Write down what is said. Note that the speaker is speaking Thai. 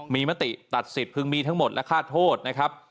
มีมติตัดสิทธิพึงมีทั้งหมดและฆ่าโทษนะครับ